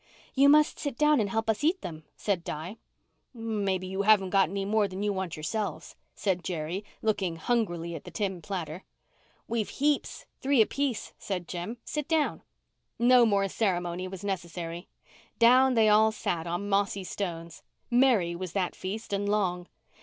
"You must sit down and help us eat them," said Di. "Maybe you haven't more than you want yourselves," said Jerry, looking hungrily at the tin platter. "We've heaps—three apiece," said Jem. "Sit down." No more ceremony was necessary. Down they all sat on mossy stones. Merry was that feast and long.